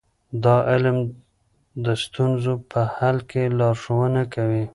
دا علم د ستونزو په حل کې لارښوونه کوي.